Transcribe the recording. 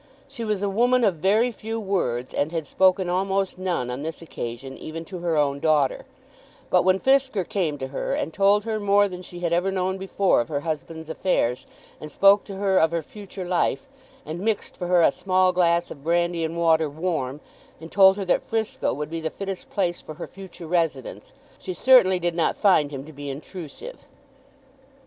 She was a woman of very few words, and had spoken almost none on this occasion even to her own daughter; but when Fisker came to her, and told her more than she had ever known before of her husband's affairs, and spoke to her of her future life, and mixed for her a small glass of brandy and water warm, and told her that Frisco would be the fittest place for her future residence, she certainly did not find him to be intrusive.